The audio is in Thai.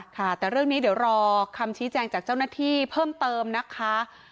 ค่ะแต่เรื่องนี้เดี๋ยวรอคำชี้แจงจากเจ้าหน้าที่เพิ่มเติมนะคะ